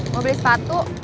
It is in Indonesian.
mau beli sepatu